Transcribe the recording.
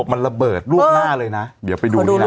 มันระเบิดลวกหน้าเลยนะเดี๋ยวไปดูนี่นะ